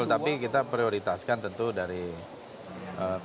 tapi dari partai koalisi bang